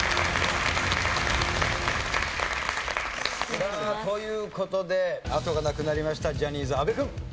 さあという事であとがなくなりましたジャニーズ阿部君。